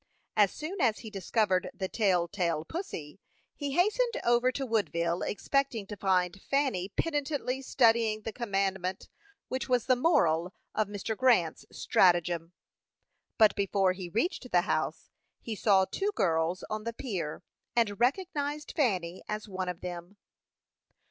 As soon as he discovered the tell tale pussy, he hastened over to Woodville, expecting to find Fanny penitently studying the commandment, which was the moral of Mr. Grant's stratagem; but before he reached the house he saw two girls on the pier, and recognized Fanny as one of them.